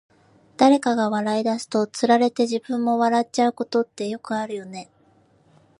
誰かが笑い出すと、つられて自分も笑っちゃうことってよくあるよね。